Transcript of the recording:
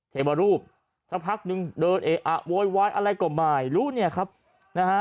เทวรูปสักพักนึงเดินเอะอะโวยวายอะไรก็ไม่รู้เนี่ยครับนะฮะ